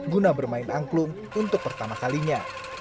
guna bermain angklung untuk pertama kalinya